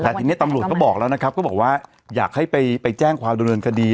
เมื่อวันได้ต้องมาก็บอกว่าให้ท่านไปแจ้งความเงินคดี